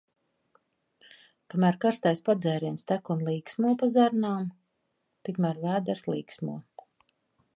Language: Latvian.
Kamēr karstais padzēriens tek un skrien pa zarnām, tikmēr vēders līksmo.